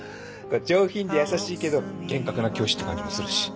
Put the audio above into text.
上品で優しいけど厳格な教師って感じもするし。